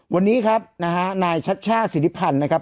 วันนี้ครับนะฮะนายชัชชาติศิริพันธ์นะครับ